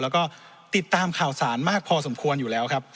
แล้วก็ติดตามข่าวสารมากพอสมควรอยู่แล้วครับ